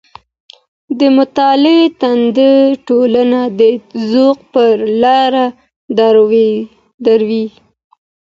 د مطالعې تنده ټولنه د ذوق پر لاره دروي.